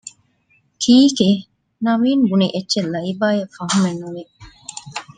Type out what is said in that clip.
ކީކޭ؟ ނަވީން ބުނި އެއްޗެއް ލައިބާއަށް ފަހުމެއް ނުވި